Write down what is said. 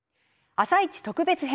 「あさイチ」特別編。